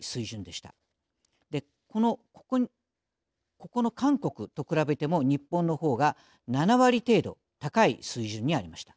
ここの韓国と比べても日本のほうが７割程度高い水準にありました。